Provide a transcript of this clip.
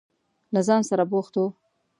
له ځان سره بوخت و.